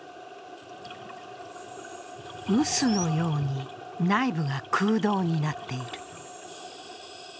臼のように内部が空洞になっている。